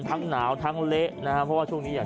แต่เขาเต้นจนบัน